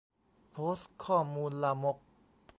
โพสต์ข้อมูลลามก